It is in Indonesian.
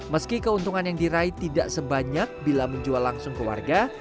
meski keuntungan yang diraih tidak sebanyak bila menjual langsung ke warga